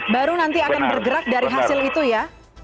baru nanti akan bergerak dari hasil itu ya